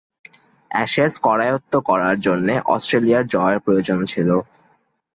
Ashes করায়ত্ত্ব করার জন্যে অস্ট্রেলিয়ার জয়ের প্রয়োজন ছিল।